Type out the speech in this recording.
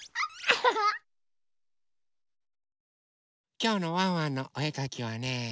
きょうの「ワンワンのおえかき」はね